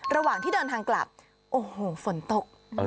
ระหว่างที่เดินทางกลับโอ้โหฝนตก